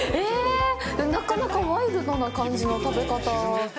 なかなかワイルドな感じの食べ方。